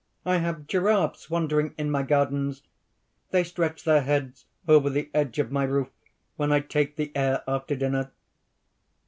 I have giraffes wandering in my gardens; they stretch their heads over the edge of my roof, when I take the air after dinner.